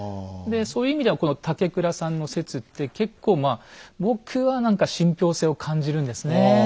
でそういう意味ではこの竹倉さんの説って結構まあ僕は何か信憑性を感じるんですね。